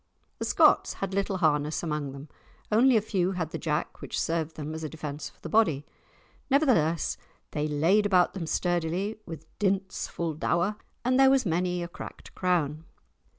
The Scots had little harness among them, only a few had the jack which served them as a defence for the body. Nevertheless, they laid about them sturdily, with "dints full dour," and there was many a cracked crown.